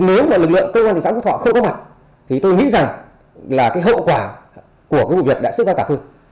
nếu mà lực lượng công an thị xã phú thọ không có mặt thì tôi nghĩ rằng là hậu quả của vụ diệt đã sức vang tạp hơn